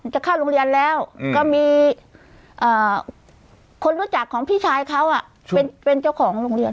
จะเข้าโรงเรียนแล้วก็มีคนรู้จักของพี่ชายเขาเป็นเจ้าของโรงเรียน